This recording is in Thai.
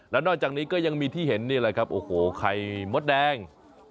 แล้วนอกจากนี้ก็ยังมีที่เห็นนี่แหละครับโอ้โหไข่มดแดง